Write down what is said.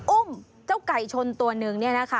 อุ้มเจ้าไก่ชนตัวนึงเนี่ยนะคะ